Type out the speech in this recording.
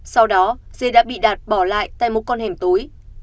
sau đó dê đã bị đạt bỏ lại tại một con hẻm tối